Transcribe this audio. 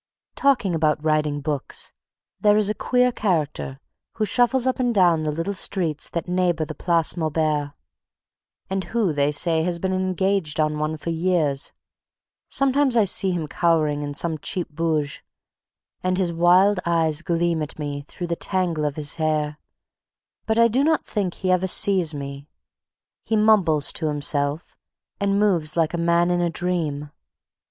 Talking about writing books, there is a queer character who shuffles up and down the little streets that neighbor the Place Maubert, and who, they say, has been engaged on one for years. Sometimes I see him cowering in some cheap bouge, and his wild eyes gleam at me through the tangle of his hair. But I do not think he ever sees me. He mumbles to himself, and moves like a man in a dream.